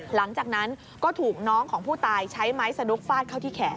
หลังจากนั้นก็ถูกน้องของผู้ตายใช้ไม้สนุกฟาดเข้าที่แขน